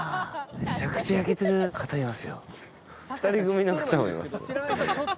めちゃくちゃ焼けてる方いますよ。